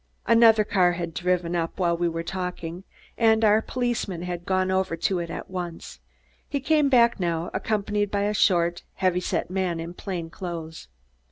Another car had driven up while we were talking and our policeman had gone over to it at once. He came back now, accompanied by a short heavy set man in plain clothes.